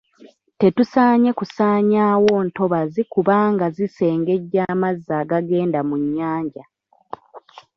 Tetusaanye kusaanyawo ntobazi kubanga zisengejja amazzi agagenda mu nnyanja.